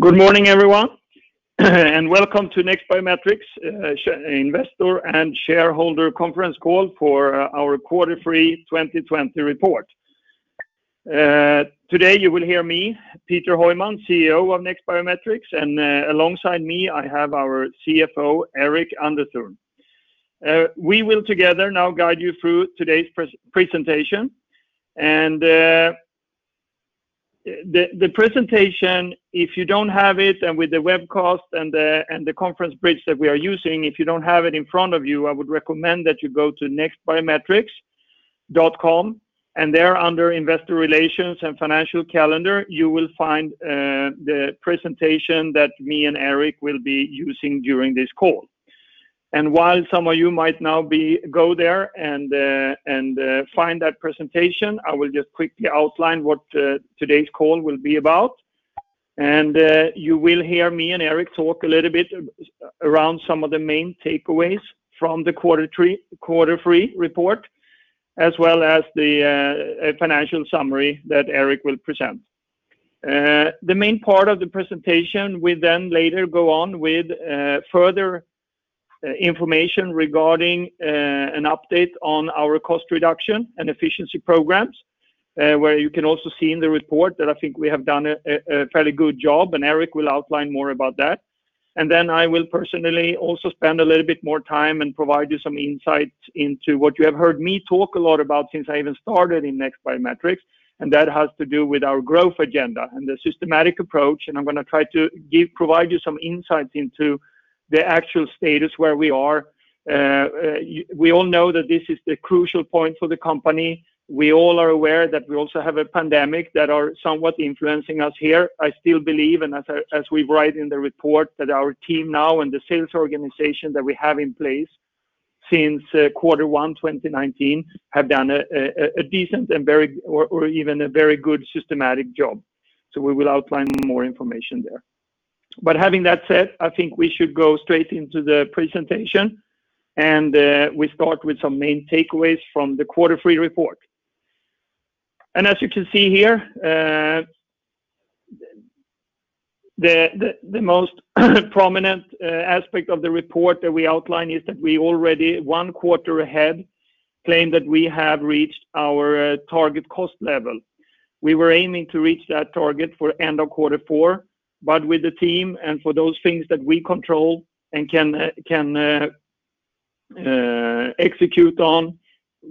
Good morning, everyone, and welcome to NEXT Biometrics investor and shareholder conference call for our quarter three 2020 report. Today you will hear me, Peter Heuman, CEO of NEXT Biometrics, and alongside me I have our CFO, Eirik Underthun. We will together now guide you through today's presentation. The presentation, if you don't have it and with the webcast and the conference bridge that we are using, if you don't have it in front of you, I would recommend that you go to nextbiometrics.com and there under investor relations and financial calendar, you will find the presentation that me and Eirik will be using during this call. While some of you might now go there and find that presentation, I will just quickly outline what today's call will be about. You will hear me and Eirik talk a little bit around some of the main takeaways from the quarter three report, as well as the financial summary that Eirik will present. The main part of the presentation will then later go on with further information regarding an update on our cost reduction and efficiency programs, where you can also see in the report that I think we have done a fairly good job, and Eirik will outline more about that. Then I will personally also spend a little bit more time and provide you some insights into what you have heard me talk a lot about since I even started in NEXT Biometrics, and that has to do with our growth agenda and the systematic approach, and I'm going to try to provide you some insights into the actual status where we are. We all know that this is the crucial point for the company. We all are aware that we also have a pandemic that are somewhat influencing us here. I still believe, and as we write in the report, that our team now and the sales organization that we have in place since quarter one 2019 have done a decent or even a very good systematic job. We will outline more information there. Having that said, I think we should go straight into the presentation, and we start with some main takeaways from the quarter three report. As you can see here, the most prominent aspect of the report that we outline is that we already one quarter ahead claim that we have reached our target cost level. We were aiming to reach that target for end of quarter four. With the team and for those things that we control and can execute on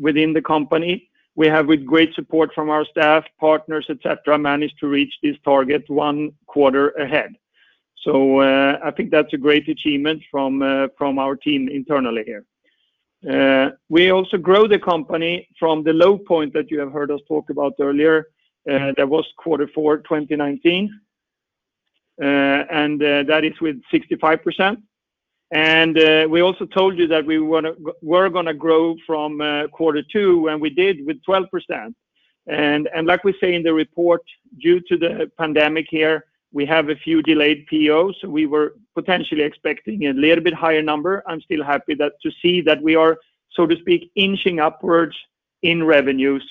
within the company, we have with great support from our staff, partners, et cetera, managed to reach this target one quarter ahead. I think that's a great achievement from our team internally here. We also grow the company from the low point that you have heard us talk about earlier. That was quarter four 2019, and that is with 65%. We also told you that we were going to grow from quarter two, and we did with 12%. Like we say in the report, due to the pandemic here, we have a few delayed POs. We were potentially expecting a little bit higher number. I'm still happy to see that we are, so to speak, inching upwards in revenues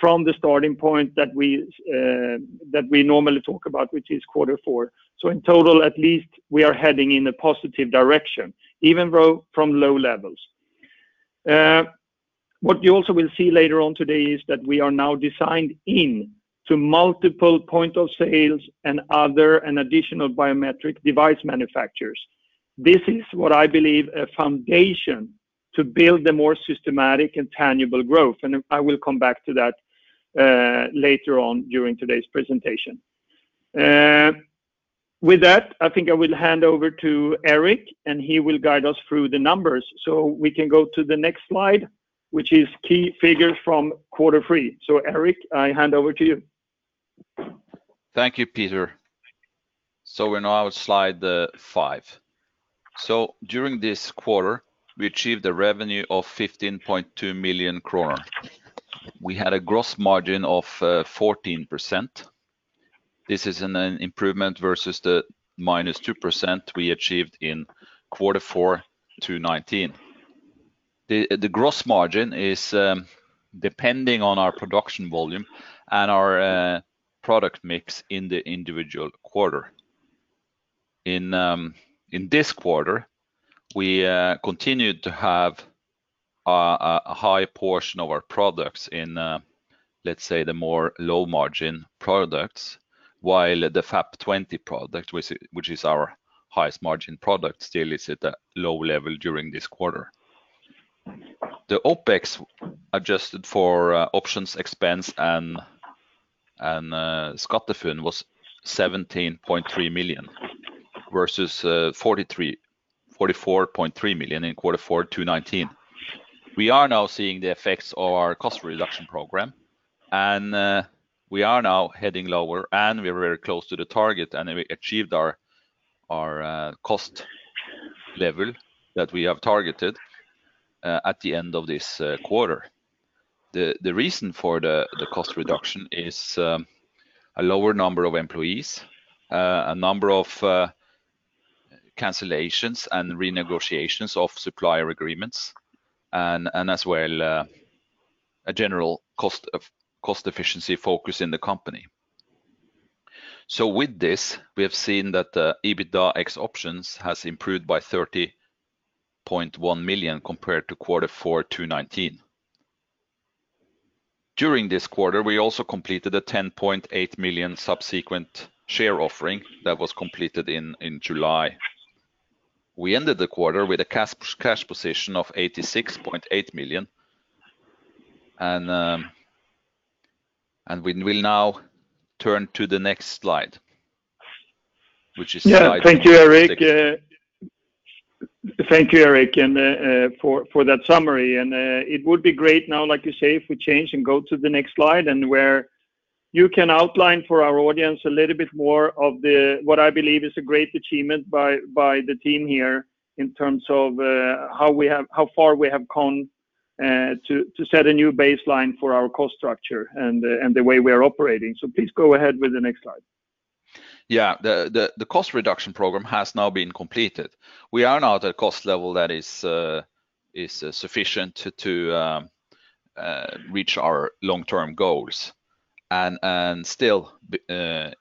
from the starting point that we normally talk about, which is quarter four. In total, at least we are heading in a positive direction, even though from low levels. What you also will see later on today is that we are now designed in to multiple point-of-sale and other and additional biometric device manufacturers. This is what I believe a foundation to build a more systematic and tangible growth. I will come back to that later on during today's presentation. With that, I think I will hand over to Eirik, and he will guide us through the numbers. We can go to the next slide, which is key figures from quarter three. Eirik, I hand over to you. Thank you, Peter. We're now at slide five. During this quarter, we achieved a revenue of 15.2 million kroner. We had a gross margin of 14%. This is an improvement versus the -2% we achieved in quarter four 2019. The gross margin is depending on our production volume and our product mix in the individual quarter. In this quarter, we continued to have a high portion of our products in, let's say, the more low-margin products, while the FAP20 product, which is our highest margin product, still is at a low level during this quarter. The OpEx, adjusted for options expense and SkatteFUNN was 17.3 million versus 44.3 million in quarter four 2019. We are now seeing the effects of our cost reduction program, we are now heading lower, we are very close to the target, we achieved our cost level that we have targeted at the end of this quarter. The reason for the cost reduction is a lower number of employees, a number of cancellations and renegotiations of supplier agreements, as well a general cost efficiency focus in the company. With this, we have seen that the EBITDA ex options has improved by 30.1 million compared to quarter four 2019. During this quarter, we also completed a 10.8 million subsequent share offering that was completed in July. We ended the quarter with a cash position of 86.8 million. We will now turn to the next slide, which is slide 16. Yeah. Thank you, Eirik, for that summary. It would be great now, like you say, if we change and go to the next slide, and where you can outline for our audience a little bit more of what I believe is a great achievement by the team here in terms of how far we have come to set a new baseline for our cost structure and the way we are operating. Please go ahead with the next slide. Yeah. The cost reduction program has now been completed. We are now at a cost level that is sufficient to reach our long-term goals. Still,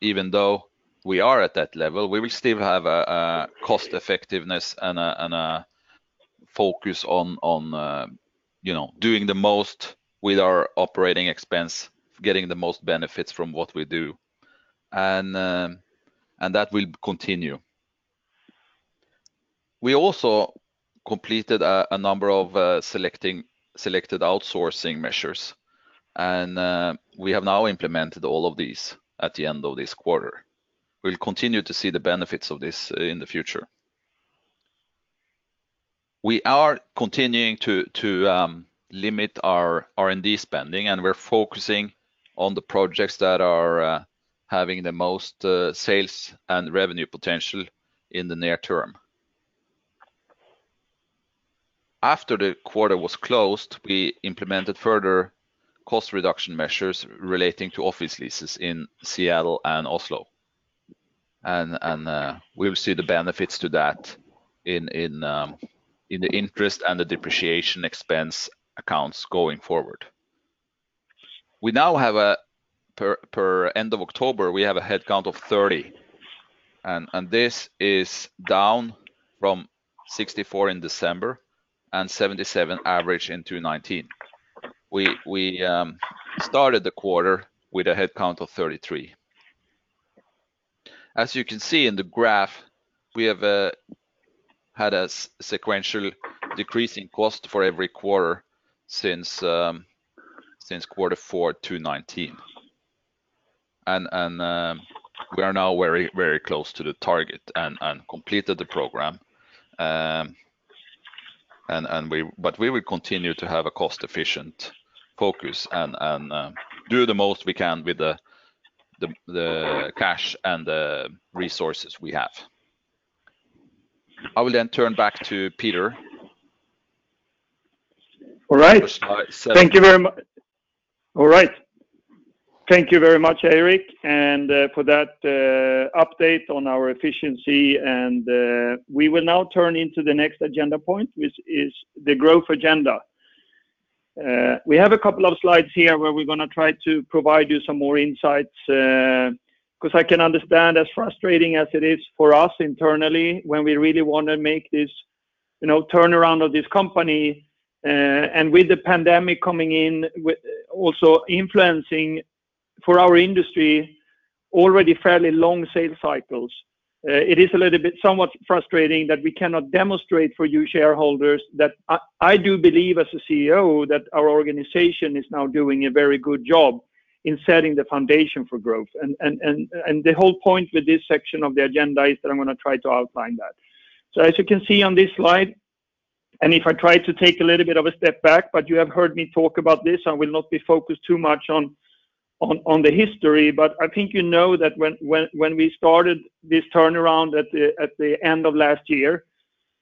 even though we are at that level, we will still have a cost-effectiveness and a focus on doing the most with our operating expense, getting the most benefits from what we do. That will continue. We also completed a number of selected outsourcing measures, and we have now implemented all of these at the end of this quarter. We'll continue to see the benefits of this in the future. We are continuing to limit our R&D spending, and we're focusing on the projects that are having the most sales and revenue potential in the near term. After the quarter was closed, we implemented further cost reduction measures relating to office leases in Seattle and Oslo, and we will see the benefits to that in the interest and the depreciation expense accounts going forward. Per end of October, we have a headcount of 30, and this is down from 64 in December and 77 average in 2019. We started the quarter with a headcount of 33. As you can see in the graph, we have had a sequential decrease in cost for every quarter since quarter four 2019. We are now very close to the target and completed the program. We will continue to have a cost-efficient focus and do the most we can with the cash and the resources we have. I will turn back to Peter. All right. Thank you very much, Eirik, for that update on our efficiency. We will now turn into the next agenda point, which is the growth agenda. We have a couple of slides here where we're going to try to provide you some more insights, because I can understand, as frustrating as it is for us internally, when we really want to make this turnaround of this company, and with the pandemic coming in, also influencing for our industry already fairly long sales cycles. It is a little bit somewhat frustrating that we cannot demonstrate for you shareholders that I do believe as a CEO that our organization is now doing a very good job in setting the foundation for growth. The whole point with this section of the agenda is that I'm going to try to outline that. As you can see on this slide, if I try to take a little bit of a step back, you have heard me talk about this, I will not be focused too much on the history. I think you know that when we started this turnaround at the end of last year,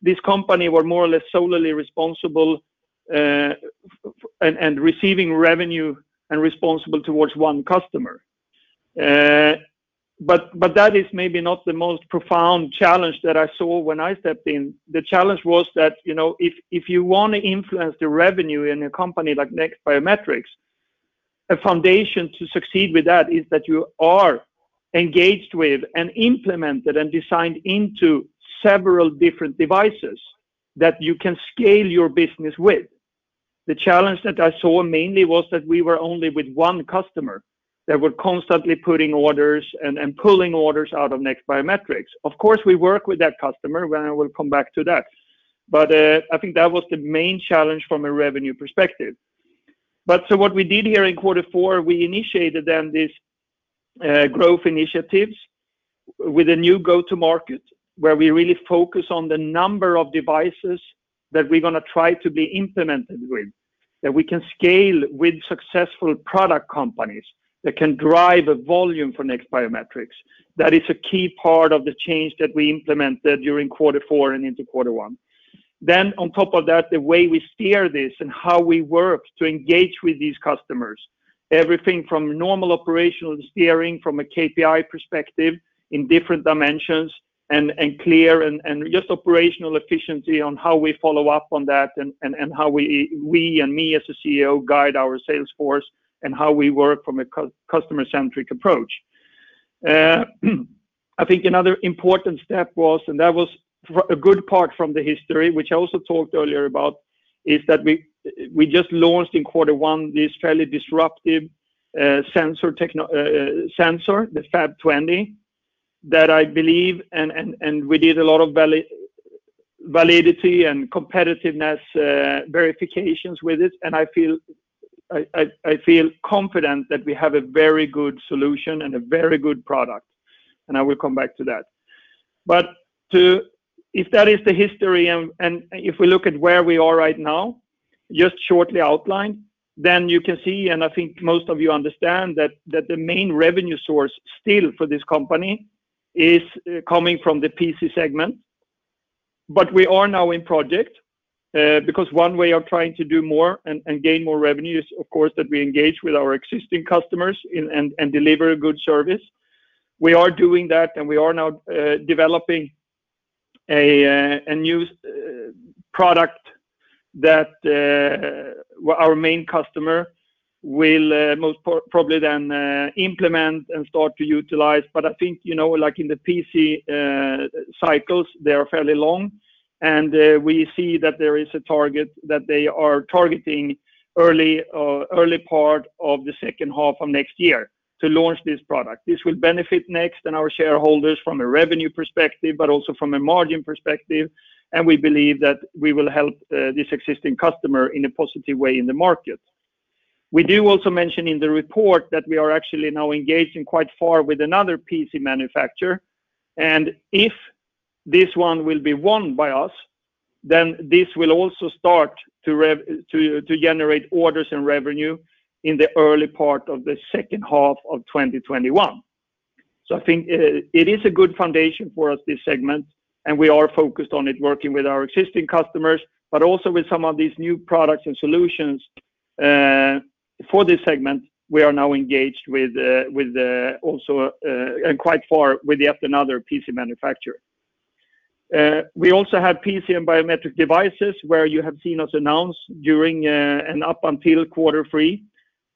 this company was more or less solely responsible and receiving revenue and responsible towards one customer. That is maybe not the most profound challenge that I saw when I stepped in. The challenge was that if you want to influence the revenue in a company like NEXT Biometrics, a foundation to succeed with that is that you are engaged with and implemented and designed into several different devices that you can scale your business with. The challenge that I saw mainly was that we were only with one customer, that were constantly putting orders and pulling orders out of NEXT Biometrics. Of course, we work with that customer, and I will come back to that. I think that was the main challenge from a revenue perspective. What we did here in quarter four, we initiated then these growth initiatives with a new go-to-market, where we really focus on the number of devices that we're going to try to be implemented with, that we can scale with successful product companies that can drive a volume for NEXT Biometrics. That is a key part of the change that we implemented during quarter four and into quarter one. On top of that, the way we steer this and how we work to engage with these customers. Everything from normal operational steering, from a KPI perspective in different dimensions, and clear and just operational efficiency on how we follow up on that and how we, and me as a CEO, guide our sales force, and how we work from a customer-centric approach. I think another important step was, and that was a good part from the history, which I also talked earlier about, is that we just launched in quarter one this fairly disruptive sensor, the FAP20. We did a lot of validity and competitiveness verifications with it, and I feel confident that we have a very good solution and a very good product, and I will come back to that. If that is the history and if we look at where we are right now, just shortly outlined, then you can see, and I think most of you understand, that the main revenue source still for this company is coming from the PC segment. We are now in project, because one way of trying to do more and gain more revenue is, of course, that we engage with our existing customers and deliver a good service. We are doing that, and we are now developing a new product that our main customer will most probably then implement and start to utilize. I think, like in the PC cycles, they are fairly long, and we see that there is a target that they are targeting early part of the second half of next year to launch this product. This will benefit NEXT and our shareholders from a revenue perspective, but also from a margin perspective, and we believe that we will help this existing customer in a positive way in the market. We do also mention in the report that we are actually now engaged quite far with another PC manufacturer, and if this one will be won by us, then this will also start to generate orders and revenue in the early part of the second half of 2021. I think it is a good foundation for us, this segment, and we are focused on it working with our existing customers, but also with some of these new products and solutions for this segment, we are now engaged with and quite far with yet another PC manufacturer. We also have PC and biometric devices where you have seen us announce during and up until quarter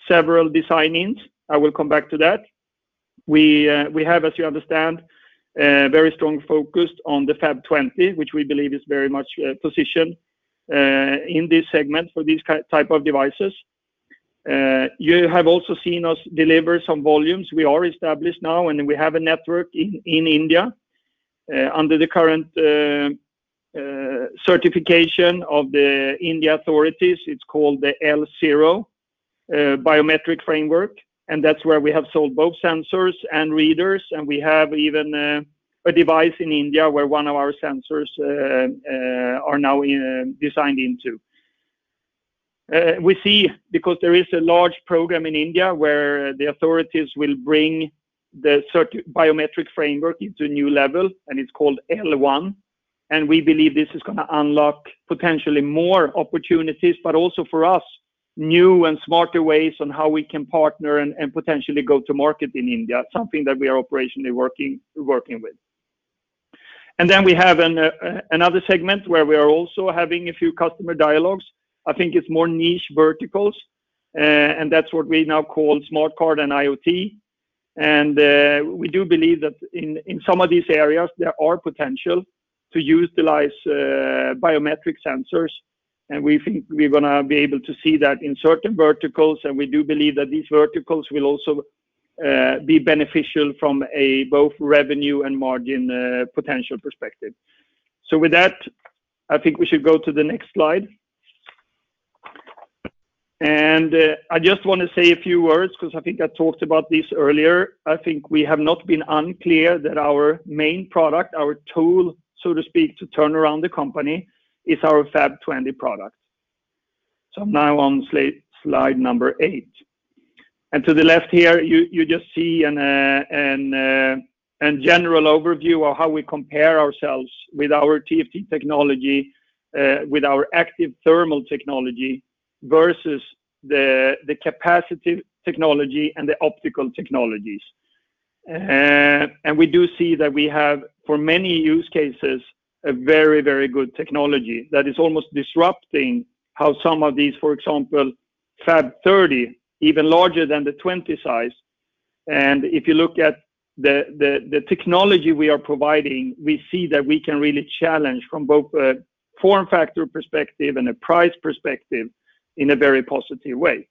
three, several design-ins. I will come back to that. We have, as you understand, a very strong focus on the FAP20, which we believe is very much positioned in this segment for these type of devices. You have also seen us deliver some volumes. We are established now and we have a network in India under the current certification of the India authorities. It's called the L0 biometric framework, and that's where we have sold both sensors and readers, and we have even a device in India where one of our sensors are now designed into. We see because there is a large program in India where the authorities will bring the biometric framework into a new level, and it's called L1, and we believe this is going to unlock potentially more opportunities, but also for us, new and smarter ways on how we can partner and potentially go to market in India, something that we are operationally working with. Then we have another segment where we are also having a few customer dialogues. I think it's more niche verticals, and that's what we now call smart card and IoT. We do believe that in some of these areas, there are potential to utilize biometric sensors, and we think we're going to be able to see that in certain verticals, and we do believe that these verticals will also be beneficial from a both revenue and margin potential perspective. With that, I think we should go to the next slide. I just want to say a few words because I think I talked about this earlier. I think we have not been unclear that our main product, our tool, so to speak, to turn around the company is our FAP20 product. I'm now on slide number eight. To the left here, you just see a general overview of how we compare ourselves with our TFT technology, with our Active Thermal technology versus the capacitive technology and the optical technologies. We do see that we have, for many use cases, a very good technology that is almost disrupting how some of these, for example, FAP30, even larger than the 20 size. If you look at the technology we are providing, we see that we can really challenge from both a form factor perspective and a price perspective in a very positive way.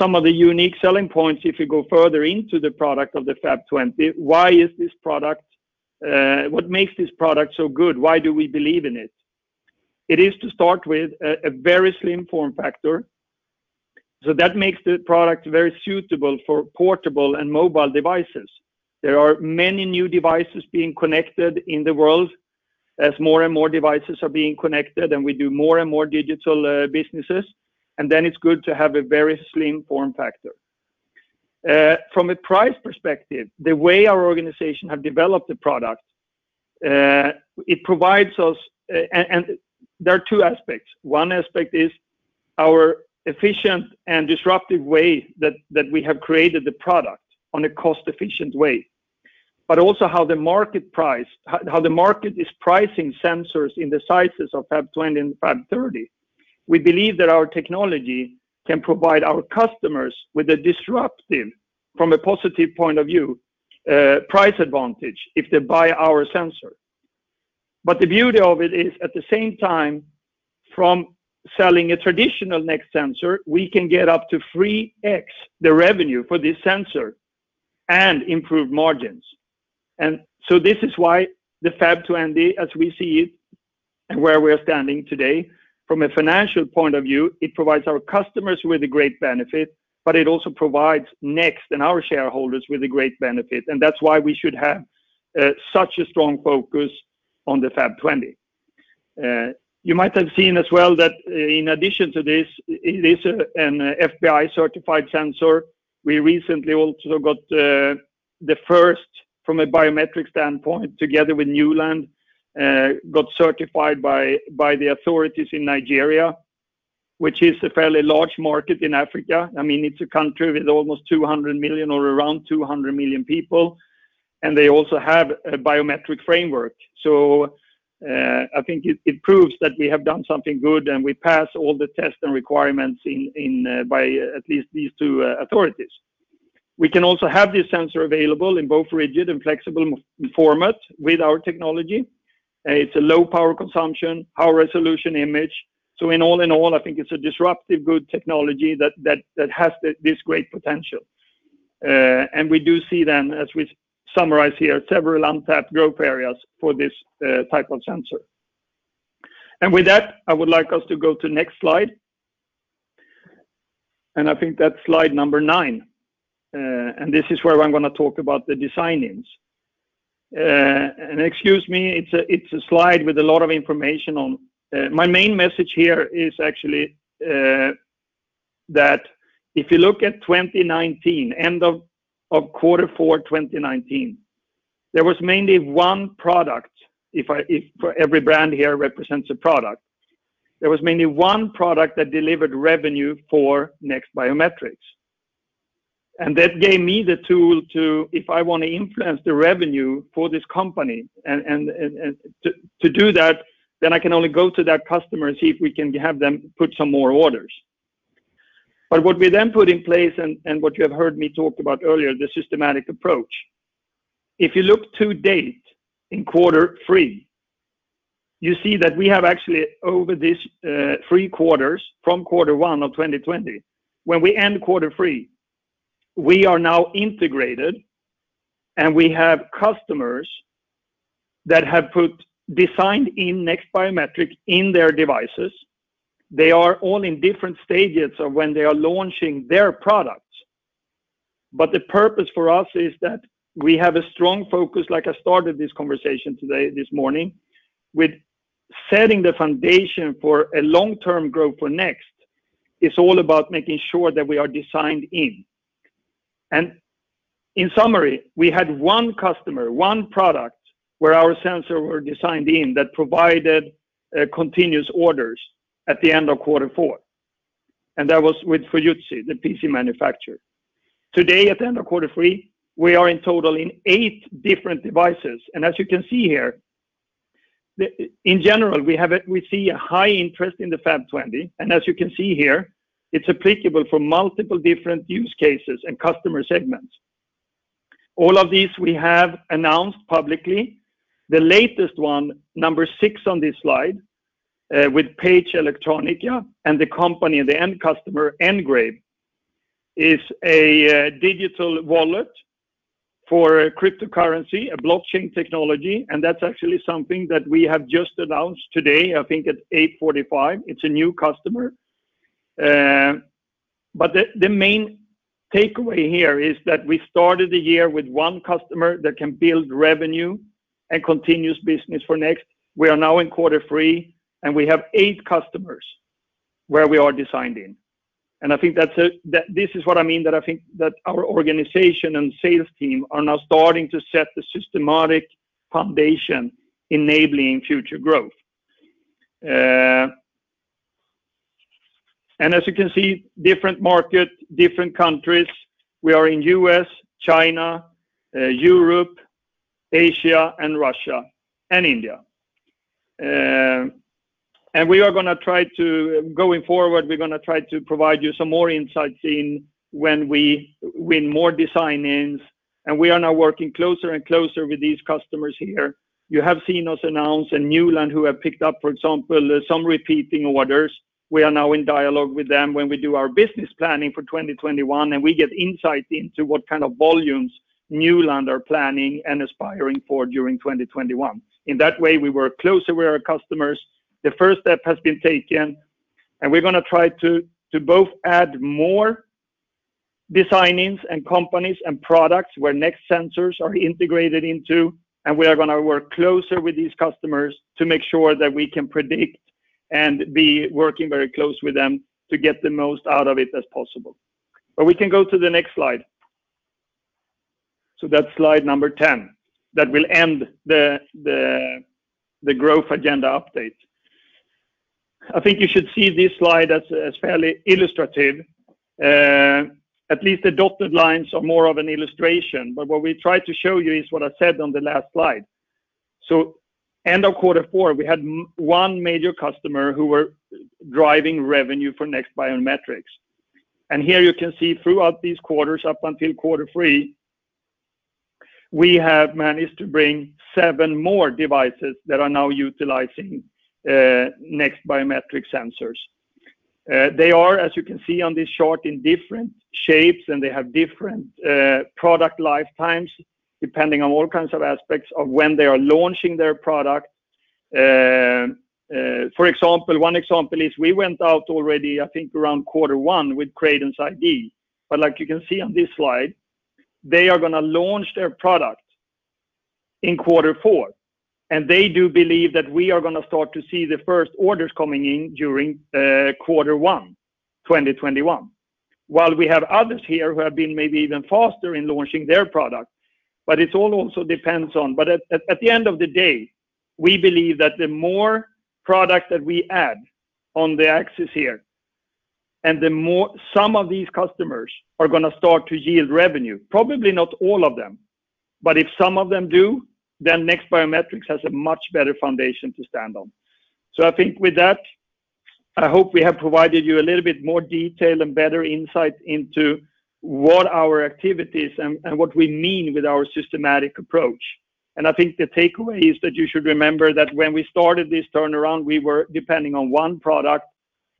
Some of the unique selling points, if you go further into the product of the FAP20, what makes this product so good? Why do we believe in it? It is to start with a very slim form factor. That makes the product very suitable for portable and mobile devices. There are many new devices being connected in the world as more and more devices are being connected and we do more and more digital businesses. It's good to have a very slim form factor. From a price perspective, the way our organization have developed the product, there are two aspects. One aspect is our efficient and disruptive way that we have created the product on a cost-efficient way, but also how the market is pricing sensors in the sizes of FAP20 and FAP30. We believe that our technology can provide our customers with a disruptive, from a positive point of view, price advantage if they buy our sensor. The beauty of it is, at the same time, from selling a traditional NEXT sensor, we can get up to 3x the revenue for this sensor and improve margins. This is why the FAP20, as we see it and where we're standing today, from a financial point of view, it provides our customers with a great benefit, but it also provides NEXT and our shareholders with a great benefit, and that's why we should have such a strong focus on the FAP20. You might have seen as well that in addition to this, it is an FBI-certified sensor. We recently also got the first, from a biometric standpoint, together with Newland, got certified by the authorities in Nigeria, which is a fairly large market in Africa. It's a country with almost 200 million or around 200 million people. They also have a biometric framework. I think it proves that we have done something good and we pass all the tests and requirements by at least these two authorities. We can also have this sensor available in both rigid and flexible format with our technology. It's a low power consumption, high resolution image. In all in all, I think it's a disruptive, good technology that has this great potential. We do see then, as we summarize here, several untapped growth areas for this type of sensor. With that, I would like us to go to next slide. I think that's slide number nine. This is where I'm going to talk about the design-ins. Excuse me, it's a slide with a lot of information on. My main message here is actually that if you look at 2019, end of quarter four 2019, there was mainly one product, if every brand here represents a product, there was mainly one product that delivered revenue for NEXT Biometrics. That gave me the tool to, if I want to influence the revenue for this company, and to do that, then I can only go to that customer and see if we can have them put some more orders. What we then put in place and what you have heard me talk about earlier, the systematic approach. If you look to date in quarter three, you see that we have actually over these three quarters from quarter one of 2020, when we end quarter three, we are now integrated, and we have customers that have put design-in NEXT Biometrics in their devices. They are all in different stages of when they are launching their products. The purpose for us is that we have a strong focus, like I started this conversation today, this morning, with setting the foundation for a long-term growth for NEXT. It's all about making sure that we are designed in. In summary, we had one customer, one product, where our sensor were designed in that provided continuous orders at the end of quarter four. That was with Fujitsu, the PC manufacturer. Today, at the end of quarter three, we are in total in eight different devices, and as you can see here, in general, we see a high interest in the FAP20. As you can see here, it's applicable for multiple different use cases and customer segments. All of these we have announced publicly. The latest one, number six on this slide, with Page Electronica and the company, the end customer, NGRAVE, is a digital wallet for cryptocurrency, a blockchain technology, and that's actually something that we have just announced today, I think at 8:45 A.M. It's a new customer. The main takeaway here is that we started the year with one customer that can build revenue and continuous business for NEXT. We are now in quarter three, and we have eight customers where we are designing. I think this is what I mean that I think that our organization and sales team are now starting to set the systematic foundation enabling future growth. As you can see, different market, different countries. We are in U.S., China, Europe, Asia, and Russia, and India. Going forward, we're going to try to provide you some more insights in when we win more design-ins, and we are now working closer and closer with these customers here. You have seen us announce and Newland, who have picked up, for example, some repeating orders. We are now in dialogue with them when we do our business planning for 2021, and we get insights into what kind of volumes Newland are planning and aspiring for during 2021. In that way, we work closer with our customers. The first step has been taken, we're going to try to both add more design-ins and companies and products where NEXT sensors are integrated into, and we are going to work closer with these customers to make sure that we can predict and be working very closely with them to get the most out of it as possible. We can go to the next slide. That's slide number 10. That will end the growth agenda update. I think you should see this slide as fairly illustrative. At least the dotted lines are more of an illustration, but what we tried to show you is what I said on the last slide. End of quarter four, we had one major customer who were driving revenue for NEXT Biometrics. Here you can see throughout these quarters up until quarter three, we have managed to bring seven more devices that are now utilizing NEXT Biometrics sensors. They are, as you can see on this chart, in different shapes, and they have different product lifetimes depending on all kinds of aspects of when they are launching their product. One example is we went out already, I think around quarter one with Credence ID. Like you can see on this slide, they are going to launch their product in quarter four, and they do believe that we are going to start to see the first orders coming in during quarter one, 2021. While we have others here who have been maybe even faster in launching their product. At the end of the day, we believe that the more product that we add on the axis here, some of these customers are going to start to yield revenue. Probably not all of them, but if some of them do, NEXT Biometrics has a much better foundation to stand on. I think with that, I hope we have provided you a little bit more detail and better insight into what our activities and what we mean with our systematic approach. I think the takeaway is that you should remember that when we started this turnaround, we were depending on one product.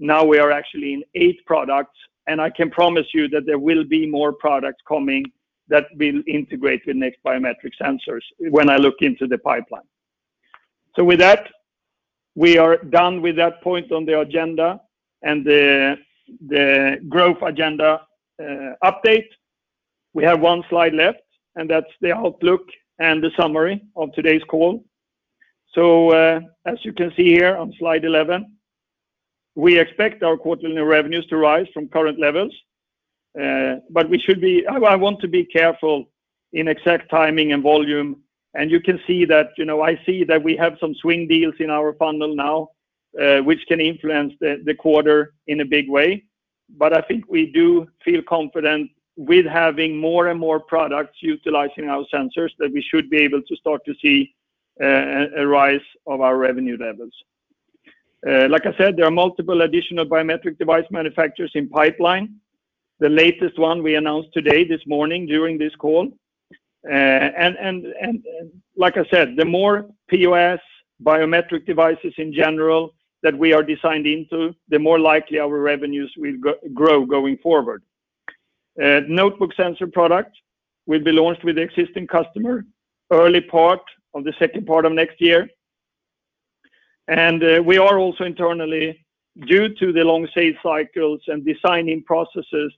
Now we are actually in eight products, and I can promise you that there will be more products coming that will integrate with NEXT Biometrics sensors when I look into the pipeline. With that, we are done with that point on the agenda and the growth agenda update. We have one slide left, and that's the outlook and the summary of today's call. As you can see here on slide 11, we expect our quarterly revenues to rise from current levels. I want to be careful in exact timing and volume, and I see that we have some swing deals in our funnel now, which can influence the quarter in a big way. I think we do feel confident with having more and more products utilizing our sensors that we should be able to start to see a rise of our revenue levels. Like I said, there are multiple additional biometric device manufacturers in pipeline. The latest one we announced today, this morning during this call. Like I said, the more POS biometric devices in general that we are designed into, the more likely our revenues will grow going forward. Notebook sensor product will be launched with the existing customer early part of the second part of next year. We are also internally, due to the long sales cycles and designing processes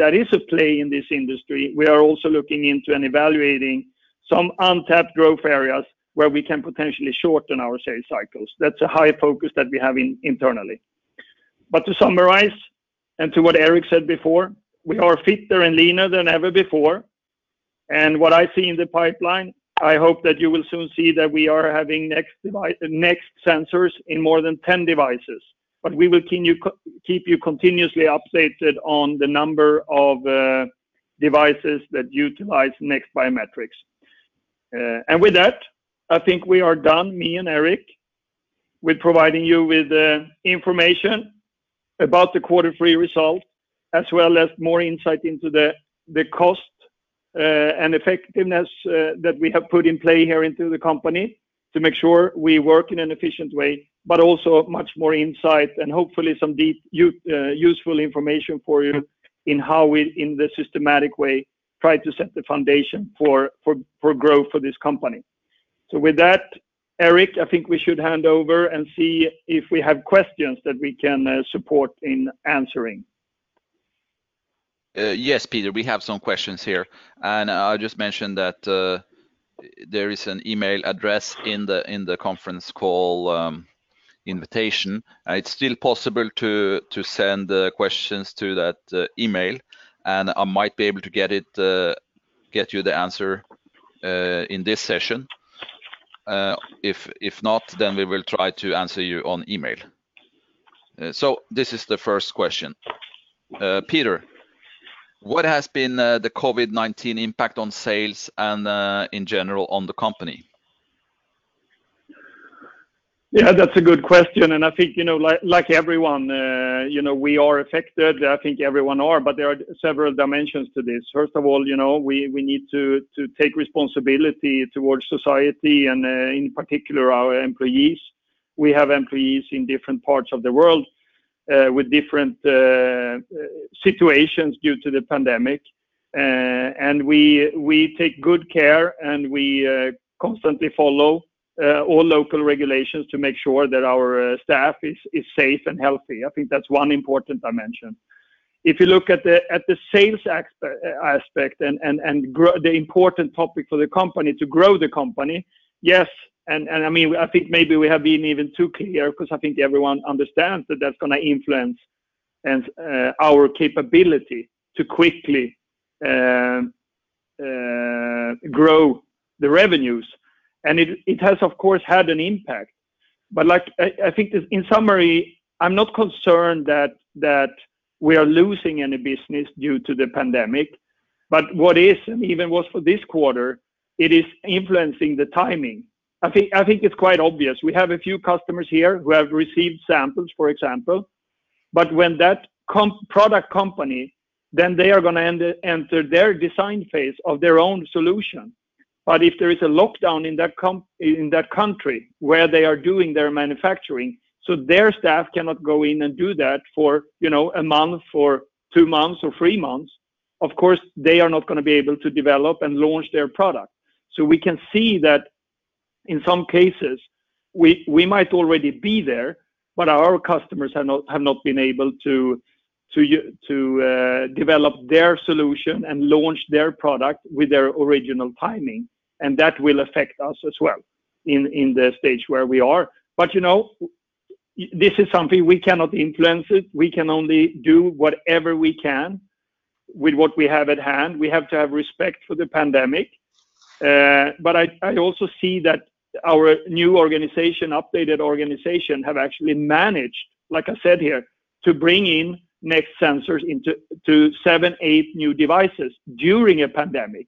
that is at play in this industry, we are also looking into and evaluating some untapped growth areas where we can potentially shorten our sales cycles. That's a high focus that we have internally. To summarize, and to what Eirik said before, we are fitter and leaner than ever before. What I see in the pipeline, I hope that you will soon see that we are having NEXT sensors in more than 10 devices. We will keep you continuously updated on the number of devices that utilize NEXT Biometrics. With that, I think we are done, me and Eirik, with providing you with information about the quarter three result, as well as more insight into the cost and effectiveness that we have put in play here into the company to make sure we work in an efficient way, but also much more insight and hopefully some useful information for you in how we, in the systematic way, try to set the foundation for growth for this company. With that, Eirik, I think we should hand over and see if we have questions that we can support in answering. Yes, Peter, we have some questions here. I'll just mention that there is an email address in the conference call invitation. It's still possible to send questions to that email. I might be able to get you the answer in this session. If not, we will try to answer you on email. This is the first question. Peter, what has been the COVID-19 impact on sales and in general on the company? Yeah, that's a good question, and I think, like everyone, we are affected. I think everyone are, but there are several dimensions to this. First of all, we need to take responsibility towards society and, in particular, our employees. We have employees in different parts of the world with different situations due to the pandemic. We take good care, and we constantly follow all local regulations to make sure that our staff is safe and healthy. I think that's one important dimension. If you look at the sales aspect and the important topic for the company to grow the company, yes. I think maybe we have been even too clear because I think everyone understands that's going to influence our capability to quickly grow the revenues. It has, of course, had an impact. I think in summary, I'm not concerned that we are losing any business due to the pandemic. What is, and even was for this quarter, it is influencing the timing. I think it's quite obvious. We have a few customers here who have received samples, for example. When that product company, then they are going to enter their design phase of their own solution. If there is a lockdown in that country where they are doing their manufacturing, so their staff cannot go in and do that for a month or two months or three months, of course, they are not going to be able to develop and launch their product. We can see that in some cases, we might already be there, but our customers have not been able to develop their solution and launch their product with their original timing, and that will affect us as well in the stage where we are. This is something we cannot influence. We can only do whatever we can with what we have at hand. We have to have respect for the pandemic. I also see that our new organization, updated organization, have actually managed, like I said here, to bring in NEXT sensors into seven, eight new devices during a pandemic.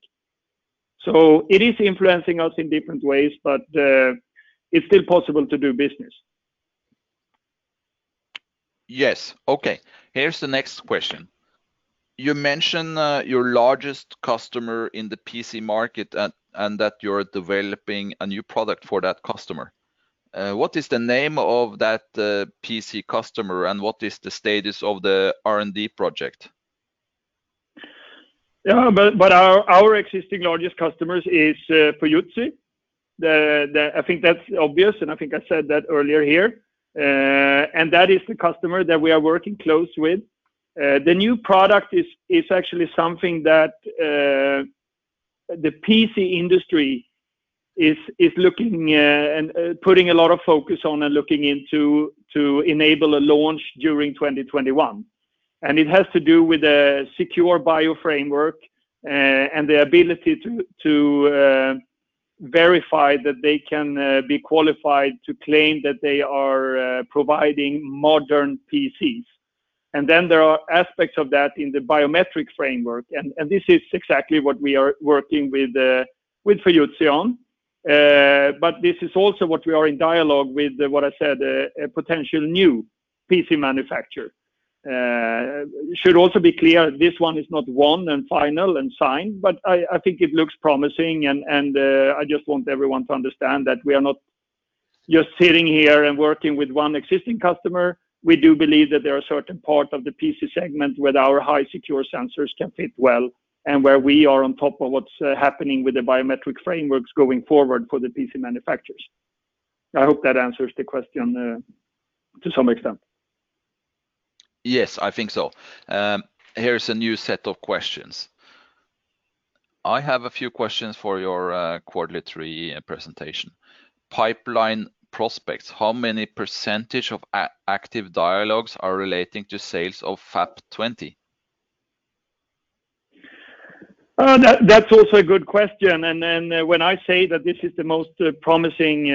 It is influencing us in different ways, but it's still possible to do business. Yes. Okay. Here's the next question. You mentioned your largest customer in the PC market and that you're developing a new product for that customer. What is the name of that PC customer and what is the status of the R&D project? Our existing largest customers is Fujitsu. I think that's obvious. I think I said that earlier here. That is the customer that we are working close with. The new product is actually something that the PC industry is looking and putting a lot of focus on and looking into to enable a launch during 2021. It has to do with a secure bio framework and the ability to verify that they can be qualified to claim that they are providing modern PCs. There are aspects of that in the biometric framework. This is exactly what we are working with Fujitsu on. This is also what we are in dialogue with, what I said, a potential new PC manufacturer. Should also be clear, this one is not won and final and signed, but I think it looks promising, and I just want everyone to understand that we are not just sitting here and working with one existing customer. We do believe that there are certain parts of the PC segment where our high secure sensors can fit well and where we are on top of what's happening with the biometric frameworks going forward for the PC manufacturers. I hope that answers the question to some extent. Yes, I think so. Here is a new set of questions. I have a few questions for your quarterly presentation. Pipeline prospects, how many percentage of active dialogues are relating to sales of FAP20? That's also a good question. When I say that this is the most promising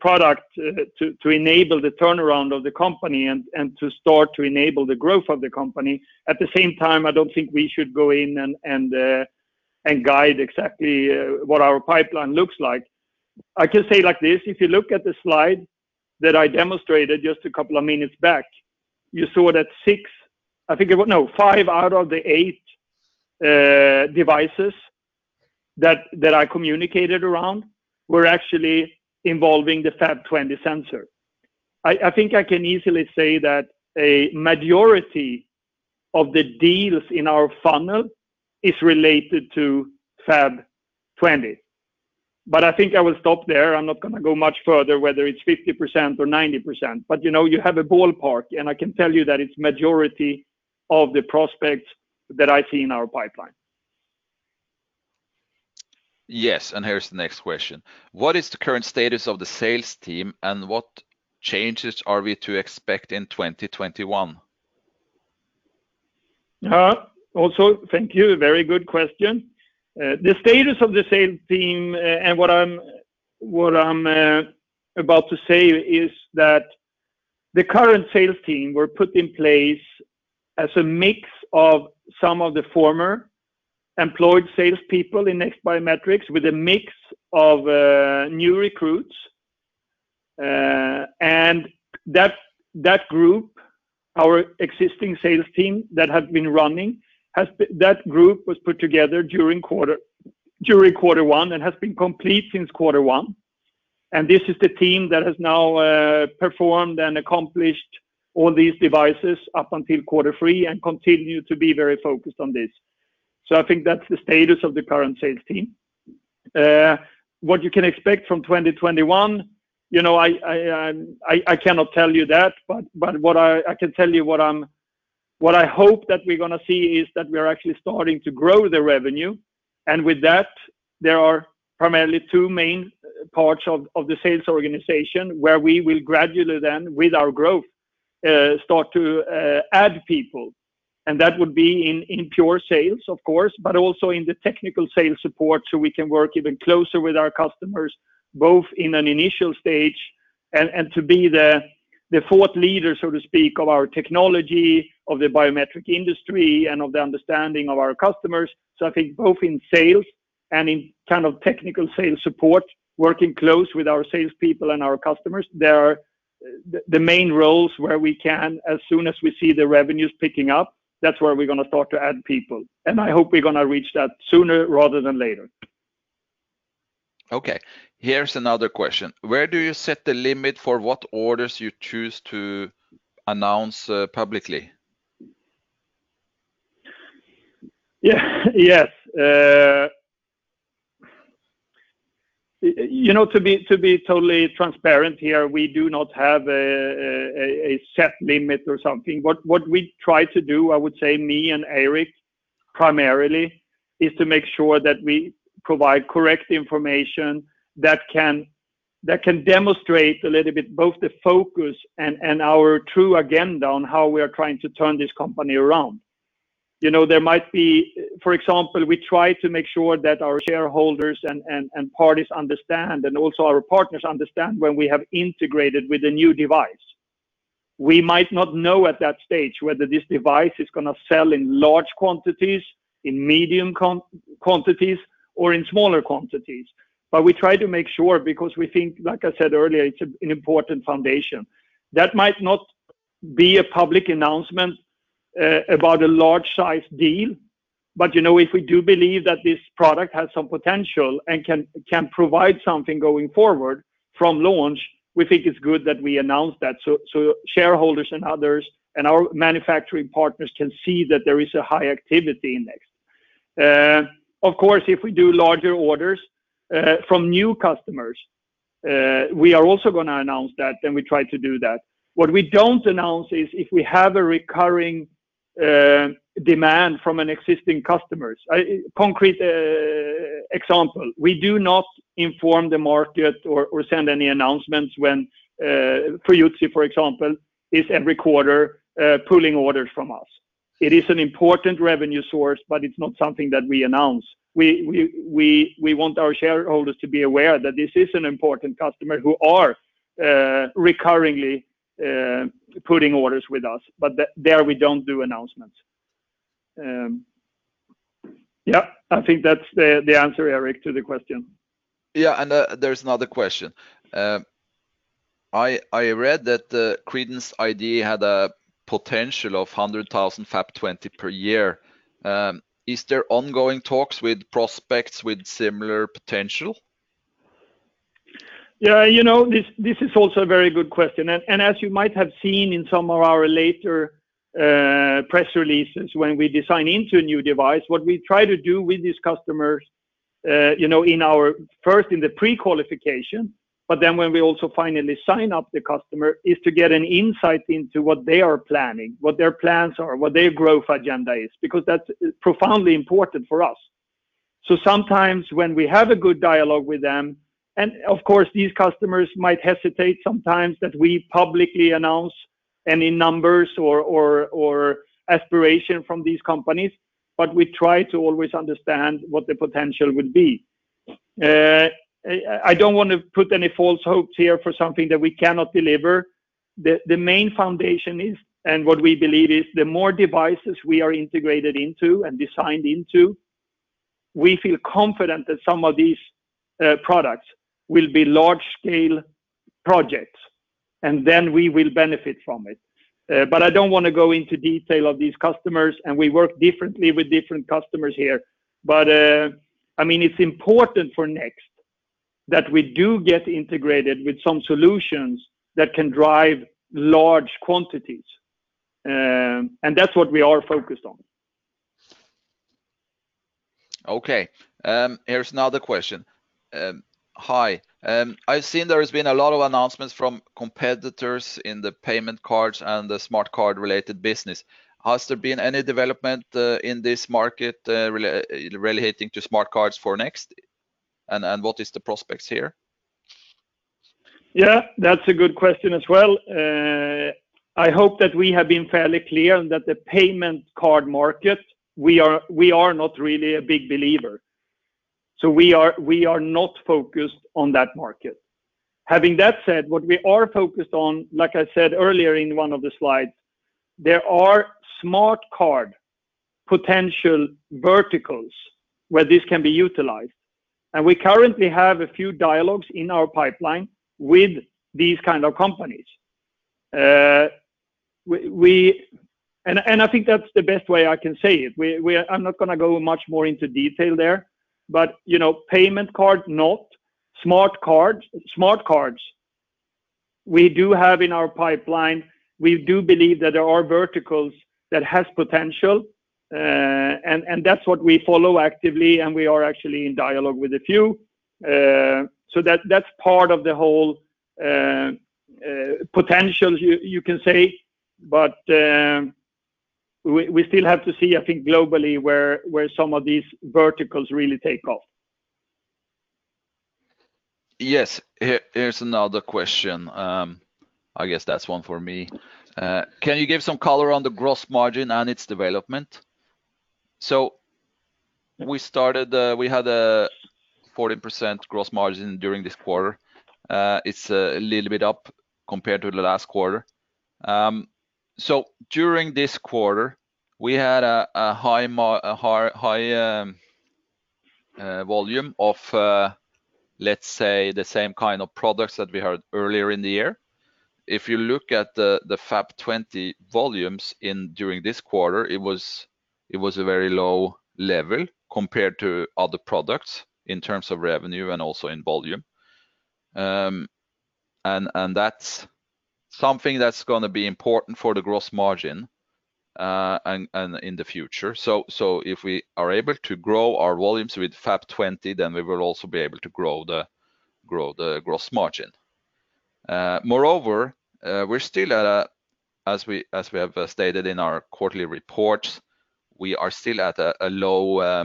product to enable the turnaround of the company and to start to enable the growth of the company, at the same time, I don't think we should go in and guide exactly what our pipeline looks like. I can say it like this. If you look at the slide that I demonstrated just a couple of minutes back, you saw that six, I think it was no, five out of the eight devices that I communicated around were actually involving the FAP20 sensor. I think I can easily say that a majority of the deals in our funnel is related to FAP20. I think I will stop there. I'm not going to go much further whether it's 50% or 90%. You have a ballpark, and I can tell you that it's majority of the prospects that I see in our pipeline. Yes, and here's the next question. What is the current status of the sales team, and what changes are we to expect in 2021? Thank you. Very good question. The status of the sales team and what I'm about to say is that the current sales team were put in place as a mix of some of the former employed salespeople in NEXT Biometrics with a mix of new recruits. That group, our existing sales team that had been running, that group was put together during quarter one and has been complete since quarter one. This is the team that has now performed and accomplished all these devices up until quarter three and continue to be very focused on this. I think that's the status of the current sales team. What you can expect from 2021, I cannot tell you that, but what I can tell you, what I hope that we're going to see is that we are actually starting to grow the revenue. With that, there are primarily two main parts of the sales organization where we will gradually then, with our growth, start to add people, and that would be in pure sales, of course, but also in the technical sales support so we can work even closer with our customers, both in an initial stage and to be the thought leader, so to speak, of our technology, of the biometric industry, and of the understanding of our customers. I think both in sales and in technical sales support, working close with our salespeople and our customers, they are the main roles where we can, as soon as we see the revenues picking up, that's where we're going to start to add people. I hope we're going to reach that sooner rather than later. Okay. Here's another question. Where do you set the limit for what orders you choose to announce publicly? Yes. To be totally transparent here, we do not have a set limit or something. What we try to do, I would say me and Eirik primarily, is to make sure that we provide correct information that can demonstrate a little bit both the focus and our true agenda on how we are trying to turn this company around. For example, we try to make sure that our shareholders and parties understand, and also our partners understand when we have integrated with a new device. We might not know at that stage whether this device is going to sell in large quantities, in medium quantities, or in smaller quantities. We try to make sure because we think, like I said earlier, it's an important foundation. That might not be a public announcement about a large size deal, but if we do believe that this product has some potential and can provide something going forward from launch, we think it's good that we announce that so shareholders and others and our manufacturing partners can see that there is a high activity index. Of course, if we do larger orders from new customers, we are also going to announce that, and we try to do that. What we don't announce is if we have a recurring demand from an existing customer. Concrete example, we do not inform the market or send any announcements when Fujitsu, for example, is every quarter pulling orders from us. It is an important revenue source, but it's not something that we announce. We want our shareholders to be aware that this is an important customer who are recurringly putting orders with us, but there we don't do announcements. I think that's the answer, Eirik, to the question. Yeah, there's another question. I read that Credence ID had a potential of 100,000 FAP20 per year. Is there ongoing talks with prospects with similar potential? This is also a very good question. As you might have seen in some of our later press releases, when we design into a new device, what we try to do with these customers first in the pre-qualification, but then when we also finally sign up the customer, is to get an insight into what they are planning, what their plans are, what their growth agenda is, because that's profoundly important for us. Sometimes when we have a good dialogue with them, and of course, these customers might hesitate sometimes that we publicly announce any numbers or aspiration from these companies, but we try to always understand what the potential would be. I don't want to put any false hopes here for something that we cannot deliver. The main foundation is, and what we believe is the more devices we are integrated into and designed into, we feel confident that some of these products will be large-scale projects, and then we will benefit from it. I don't want to go into detail of these customers, we work differently with different customers here. It's important for NEXT that we do get integrated with some solutions that can drive large quantities, that's what we are focused on. Okay. Here's another question. Hi. I've seen there has been a lot of announcements from competitors in the payment cards and the smart card-related business. Has there been any development in this market relating to smart cards for NEXT, and what is the prospects here? Yeah, that's a good question as well. I hope that we have been fairly clear that the payment card market, we are not really a big believer. We are not focused on that market. Having that said, what we are focused on, like I said earlier in one of the slides, there are smart card potential verticals where this can be utilized, and we currently have a few dialogues in our pipeline with these kind of companies. I think that's the best way I can say it. I'm not going to go much more into detail there, but payment card, not. Smart cards. We do have in our pipeline, we do believe that there are verticals that have potential, and that's what we follow actively, and we are actually in dialogue with a few. That's part of the whole potential, you can say, but we still have to see, I think globally where some of these verticals really take off. Yes. Here's another question. I guess that's one for me. Can you give some color on the gross margin and its development? We had a 14% gross margin during this quarter. It's a little bit up compared to the last quarter. During this quarter, we had a high volume of let's say the same kind of products that we had earlier in the year. If you look at the FAP20 volumes during this quarter, it was a very low level compared to other products in terms of revenue and also in volume. That's something that's going to be important for the gross margin in the future. If we are able to grow our volumes with FAP20, then we will also be able to grow the gross margin. As we have stated in our quarterly reports, we are still at a low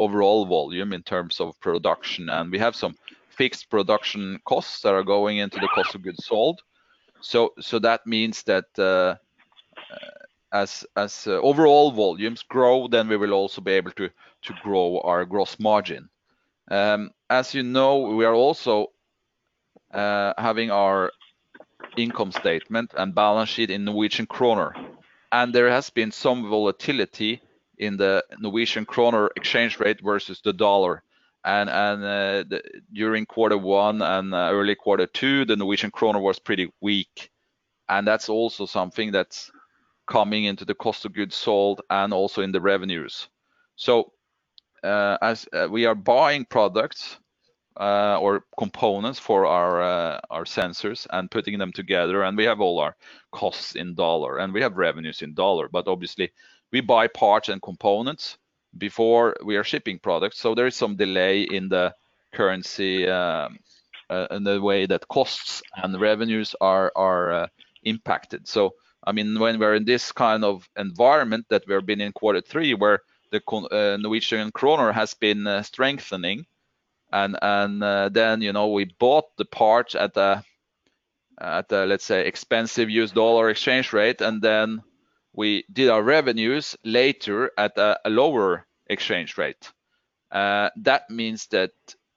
overall volume in terms of production. We have some fixed production costs that are going into the cost of goods sold. That means that as overall volumes grow, we will also be able to grow our gross margin. As you know, we are also having our income statement and balance sheet in Norwegian kroner. There has been some volatility in the Norwegian kroner exchange rate versus the U.S. dollar. During quarter one and early quarter two, the Norwegian kroner was pretty weak. That's also something that's coming into the cost of goods sold and also in the revenues. As we are buying products or components for our sensors and putting them together, and we have all our costs in USD and we have revenues in USD, but obviously we buy parts and components before we are shipping products, so there is some delay in the currency and the way that costs and revenues are impacted. When we're in this kind of environment that we have been in quarter three where the Norwegian kroner has been strengthening and then we bought the parts at a, let's say, expensive U.S. dollar exchange rate, and then we did our revenues later at a lower exchange rate. That means that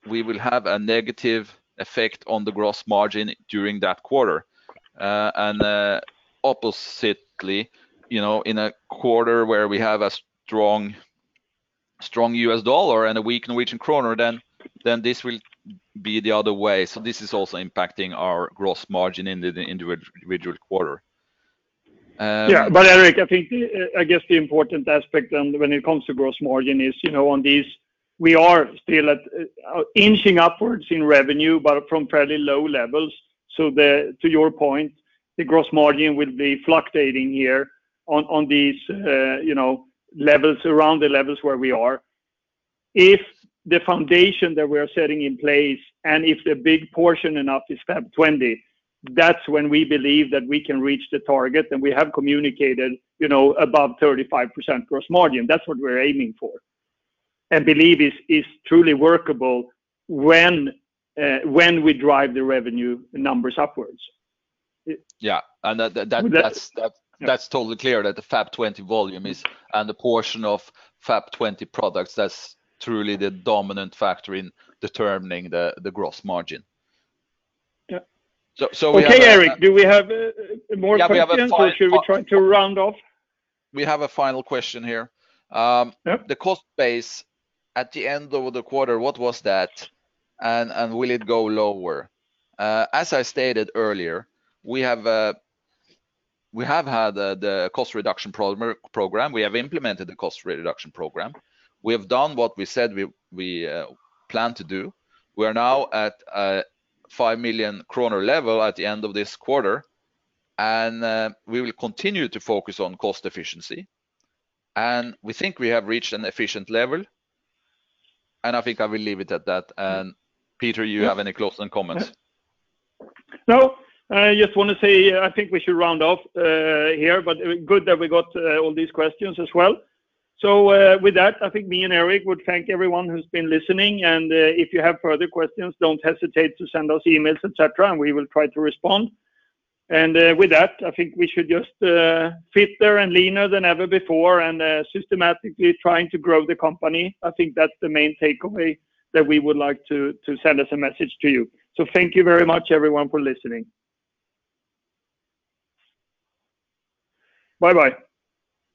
we will have a negative effect on the gross margin during that quarter. Oppositely, in a quarter where we have a strong US dollar and a weak Norwegian kroner, then this will be the other way. This is also impacting our gross margin in the individual quarter. Yeah. Eirik, I think, I guess the important aspect when it comes to gross margin is on these, we are still inching upwards in revenue, from fairly low levels. To your point, the gross margin will be fluctuating here on these levels around the levels where we are. If the foundation that we are setting in place and if the big portion enough is FAP20, that's when we believe that we can reach the target. We have communicated above 35% gross margin. That's what we're aiming for and believe is truly workable when we drive the revenue numbers upwards. Yeah. That's totally clear that the FAP20 volume is, and the portion of FAP20 products, that's truly the dominant factor in determining the gross margin. Yeah. So we have- Okay, Eirik, do we have more questions? Yeah. Should we try to round off? We have a final question here. Yep. The cost base at the end of the quarter, what was that, and will it go lower? As I stated earlier, we have had the cost reduction program. We have implemented the cost reduction program. We have done what we said we planned to do. We are now at a 5 million kroner level at the end of this quarter, and we will continue to focus on cost efficiency. We think we have reached an efficient level, and I think I will leave it at that. Peter, you have any closing comments? No. I just want to say I think we should round off here, but good that we got all these questions as well. With that, I think me and Eirik would thank everyone who's been listening, and if you have further questions, don't hesitate to send us emails, et cetera, and we will try to respond. With that, I think we should just fitter and leaner than ever before and systematically trying to grow the company. I think that's the main takeaway that we would like to send as a message to you. Thank you very much everyone for listening. Bye-bye.